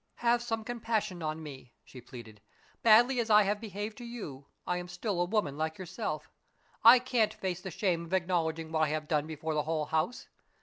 "Have some compassion on me!" she pleaded. "Badly as I have behaved to you, I am still a woman like yourself. I can't face the shame of acknowledging what I have done before the whole house.